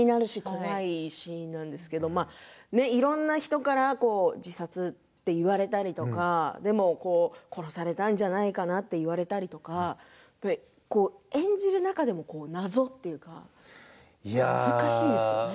怖いシーンなんですけれどいろんな人から自殺って言われたりとかでも殺されたんじゃないかと言われたりとか演じる中でも謎というか難しいですよね。